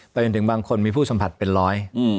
ไปถึงบางคนมีผู้สัมผัสเป็นร้อย